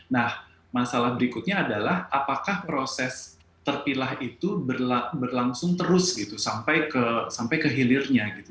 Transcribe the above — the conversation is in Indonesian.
nah masalah berikutnya adalah apakah proses terpilah itu berlangsung terus gitu sampai ke hilirnya gitu